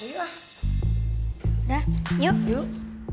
mami bawa badan sendiri aja berat